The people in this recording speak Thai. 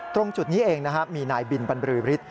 ตรงจุดนี้เองนะครับมีนายบินบรรลือฤทธิ